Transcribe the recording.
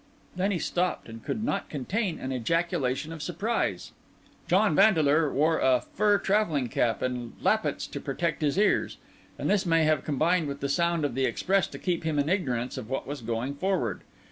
Then he stopped, and could not contain an ejaculation of surprise. John Vandeleur wore a fur travelling cap with lappets to protect his ears; and this may have combined with the sound of the express to keep him in ignorance of what was going forward.